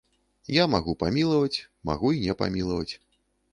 Я магу памілаваць, магу і не памілаваць.